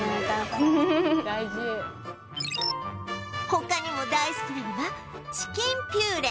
他にも大好きなのがチキンピューレ